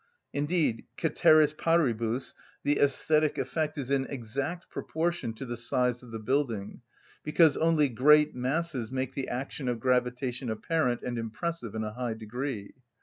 Indeed ceteris paribus the æsthetic effect is in exact proportion to the size of the building, because only great masses make the action of gravitation apparent and impressive in a high degree.